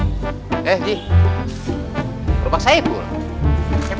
eh ji berubah saya ibu